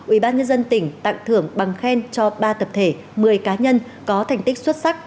ủy ban nhân dân tỉnh tặng thưởng bằng khen cho ba tập thể một mươi cá nhân có thành tích xuất sắc